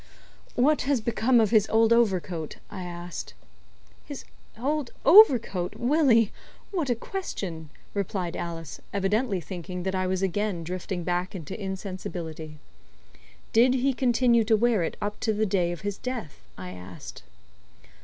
"What has become of his old overcoat?" I asked. "His old overcoat, Willie what a question?" replied Alice, evidently thinking that I was again drifting back into insensibility. "Did he continue to wear it up to the day of his death?" I asked.